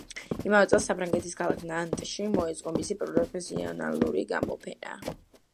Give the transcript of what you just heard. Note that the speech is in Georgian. იმავე წელს საფრანგეთის ქალაქ ნანტში მოეწყო მისი პერსონალური გამოფენა.